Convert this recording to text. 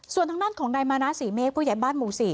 ส่วนทั้งนั้นของนายมานาศีเมฆผู้ใหญ่บ้านหมู่สี่